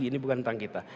ini bukan tentang kita